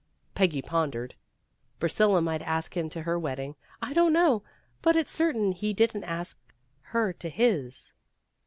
'' Peggy pondered. "Priscilla might ask him to her wedding. I don't know. But it's certain he didn't ask her to his."